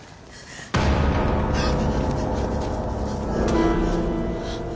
あっ！